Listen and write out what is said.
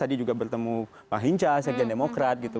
tadi juga bertemu bang hinca sekjen demokrat gitu